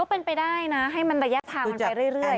ก็เป็นไปได้นะให้มันได้แยกทางไปเรื่อย